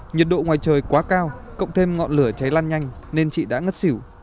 nhiệt độ ngoài trời quá cao cộng thêm ngọn lửa cháy lan nhanh nên chị đã ngất xỉu